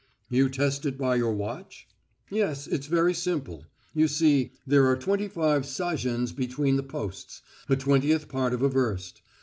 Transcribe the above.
"You test it by your watch?" "Yes, it's very simple. You see, there are twenty five sazhens between the posts a twentieth part of a verst.